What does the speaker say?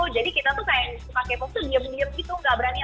jadi kita tuh kayak musik itu gak berani